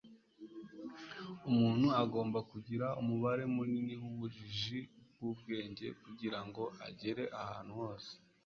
umuntu agomba kugira umubare munini w'ubujiji bwubwenge kugirango agere ahantu hose